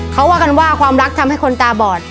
เขาว่ากันว่าความรักทำให้คนตาบอด